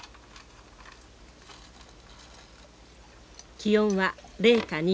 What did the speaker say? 気温は零下２度。